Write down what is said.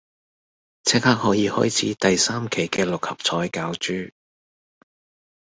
即刻可以開始第三期嘅六合彩攪珠